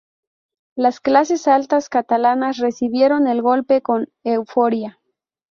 Las clases altas catalanas recibieron el golpe con euforia.